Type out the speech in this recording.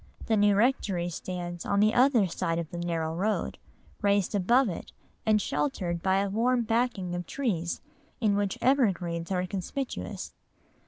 The new rectory stands on the other side of the narrow road, raised above it, and sheltered by a warm backing of trees in which evergreens are conspicuous.